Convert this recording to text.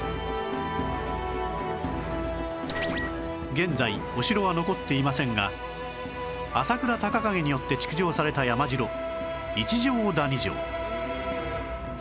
現在お城は残っていませんが朝倉孝景によって築城された山城一乗谷城